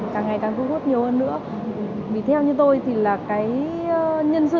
càng ngày càng thu hút nhiều hơn nữa vì theo như tôi thì là cái nhân sự